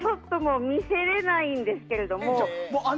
見せれないんですけど。